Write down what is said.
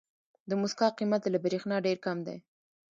د موسکا قیمت له برېښنا ډېر کم دی.